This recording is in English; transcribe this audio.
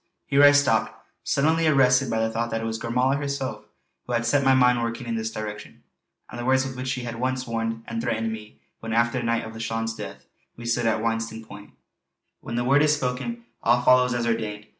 Here I stopped, suddenly arrested by the thought that it was Gormala herself who had set my mind working in this direction; and the words with which she had at once warned and threatened me when after the night of Lauchlane's death we stood at Witsennan point: "_When the Word is spoken all follows as ordained.